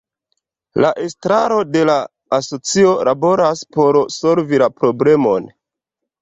La estraro de la asocio laboras por solvi la problemon.